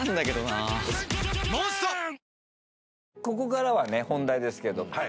ここからはね本題ですけど。